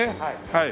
はい。